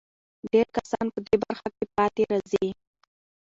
ډېر کسان په دې برخه کې پاتې راځي.